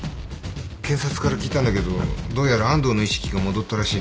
検察から聞いたんだけどどうやら安藤の意識が戻ったらしい。